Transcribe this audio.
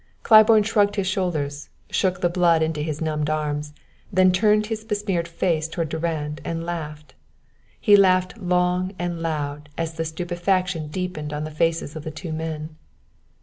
Claiborne shrugged his shoulders, shook the blood into his numbed arms; then turned his besmeared face toward Durand and laughed. He laughed long and loud as the stupefaction deepened on the faces of the two men.